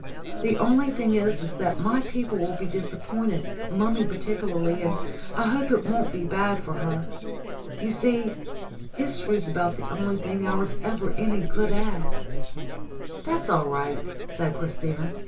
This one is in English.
The only thing is that my people will be disappointed mummy particularly; and I hope it won't be bad for her. You see, history's about the only thing I was ever any good at." CHRISIMISSIMA 127 "That's all right," said Christina.